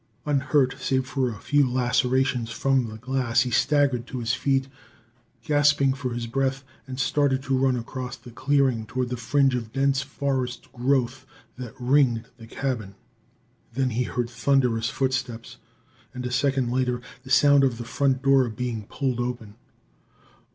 Unhurt, save for a few lacerations from the glass, he staggered to his feet, gasping for his breath, and started to run across the clearing towards the fringe of dense forest growth that ringed the cabin. Then he heard thunderous footsteps and, a second later, the sound of the front door being pulled open.